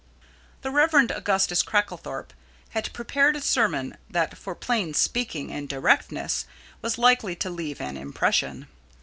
The Rev. Augustus Cracklethorpe had prepared a sermon that for plain speaking and directness was likely to leave an impression.